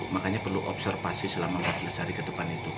makanya perlu observasi selama empat belas hari ke depan itu